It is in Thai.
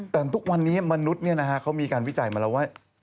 แต่ทุกวันนี้มนุษย์เขามีการวิจัยมาแล้วว่า